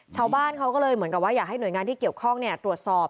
ชาวบ้านเขาก็เลยเหมือนกับว่าอยากให้หน่วยงานที่เกี่ยวข้องตรวจสอบ